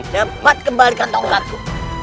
cepat kembalikan tongkatku